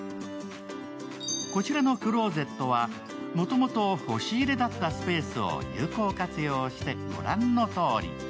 こちらのクローゼットはもともと押し入れだったスペースを有効活用して御覧のとおり。